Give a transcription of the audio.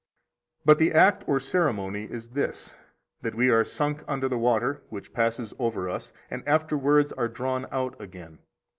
65 But the act or ceremony is this, that we are sunk under the water, which passes over us, and afterwards are drawn out again.